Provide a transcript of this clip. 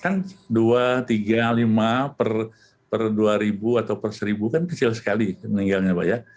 kan dua tiga lima per dua ribu atau per seribu kan kecil sekali meninggalnya pak ya